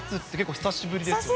久しぶりです。